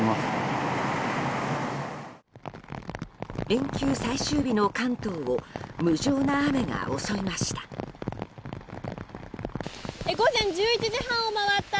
連休最終日の関東を無情な雨が襲いました。